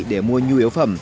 để mua nhu yếu phẩm